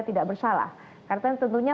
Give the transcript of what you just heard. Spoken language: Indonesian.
tidak bersalah karena tentunya